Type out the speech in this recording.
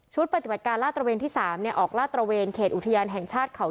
ชุดปฎิมาตาร์การลาตรเวนที่สามเนี่ยออกลาตรเวนเขจอุทยานแห่งชาติเขา